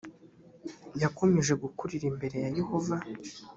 yakomeje gukurira imbere ya yehova